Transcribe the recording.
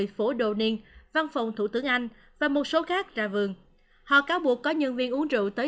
phố do nik văn phòng thủ tướng anh và một số khác ra vườn họ cáo buộc có nhân viên uống rượu tới